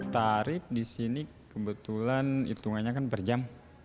tarif di sini kebetulan hitungannya kan per jam